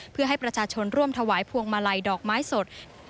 เพื่อให้ประชาชนร่วมถวายพวงมาลัยดอกไม้สด